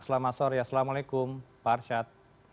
selamat sore assalamualaikum pak arsyad